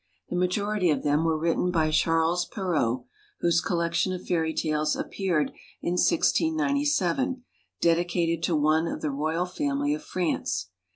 The majority of them were written by Charles Perrault, whose collection of Fairy Tales appeared in 1697, dedicated to one of the royal family of France.